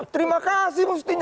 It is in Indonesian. terima kasih mestinya